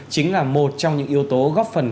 chính là một trong những yếu tố góp phần